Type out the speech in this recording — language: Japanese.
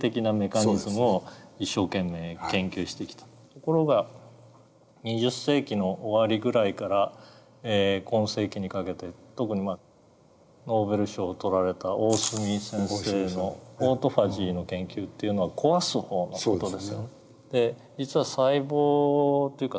ところが２０世紀の終わりぐらいから今世紀にかけて特にノーベル賞を取られた大隅先生のオートファジーの研究っていうのは壊す方の事ですよね。